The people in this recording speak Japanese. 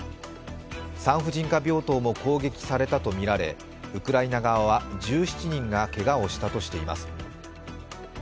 産婦人科病棟も攻撃されたとみられウクライナ側は１７人がけがをしたとしています。